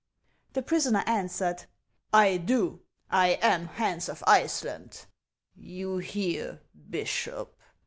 " The prisoner answered :" I do ; I am Hans of Iceland." " You hear, Bishop